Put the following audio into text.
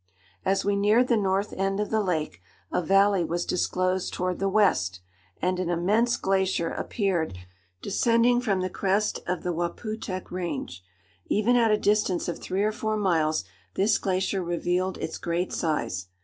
As we neared the north end of the lake, a valley was disclosed toward the west, and an immense glacier appeared descending from the crest of the Waputehk Range. Even at a distance of three or four miles, this glacier revealed its great size.